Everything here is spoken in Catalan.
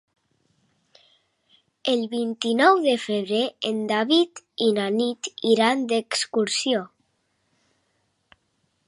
El vint-i-nou de febrer en David i na Nit iran d'excursió.